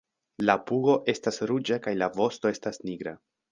La pugo estas ruĝa kaj la vosto estas nigra.